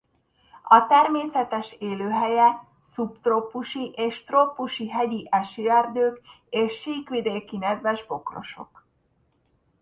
A természetes élőhelye szubtrópusi és trópusi hegyi esőerdők és síkvidéki nedves bokrosok.